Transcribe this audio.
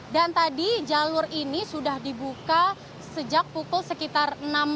dan tadi jalur ini sudah dibuka sejak pukul sekitar enam